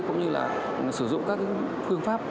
cũng như là sử dụng các phương pháp